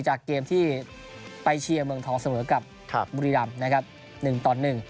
จากเกมที่ไปเชียร์เมืองท้องเสมอกับบุรีรำ๑ตอน๑